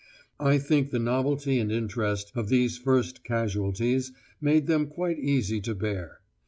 I think the novelty and interest of these first casualties made them quite easy to bear.